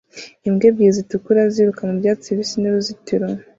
Imbwa ebyiri zitukura ziruka mu byatsi bibisi n'uruzitiro